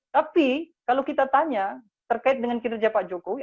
tapi kalau kita tanya terkait dengan kinerja pak jokowi